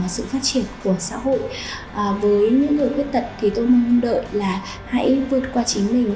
sự phát triển của xã hội với những người khuyết tật thì tôi mong đợi là hãy vượt qua chính mình